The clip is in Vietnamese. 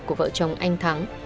của vợ chồng anh thắng